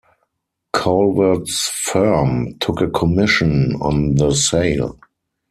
Calvert's firm took a commission on the sale.